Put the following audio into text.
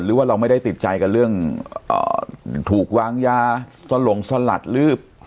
หรือว่าเราไม่ได้ติดใจกับเรื่องอ่าถูกวางยาซ่อนหลงซ่อนหลัดลืบ